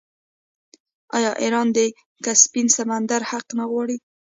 آیا ایران د کسپین سمندر حق نه غواړي؟